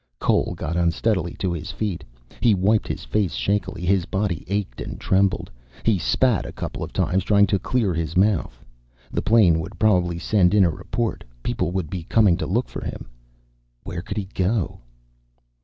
Cole got unsteadily to his feet. He wiped his face shakily. His body ached and trembled. He spat a couple times, trying to clear his mouth. The plane would probably send in a report. People would be coming to look for him. Where could he go?